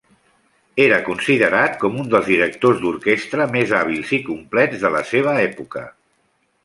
Era considerat com un dels directors d'orquestra més hàbils i complets de la seva època.